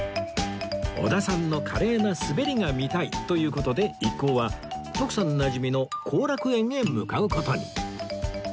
織田さんの華麗な滑りが見たいという事で一行は徳さんなじみの後楽園へ向かう事に